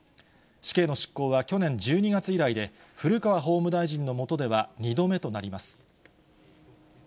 死刑の執行は去年１２月以来で、古川法務大臣の下では、２度目となります。